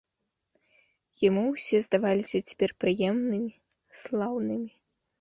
Яму ўсе здаваліся цяпер прыемнымі, слаўнымі.